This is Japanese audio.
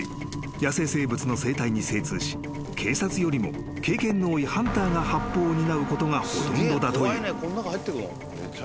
野生生物の生態に精通し警察よりも経験の多いハンターが発砲を担うことがほとんどだという］